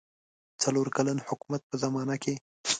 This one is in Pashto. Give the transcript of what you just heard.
څلور کلن حکومت په زمانه کې.